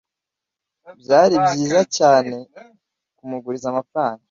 Byari byiza cyane kumuguriza amafaranga.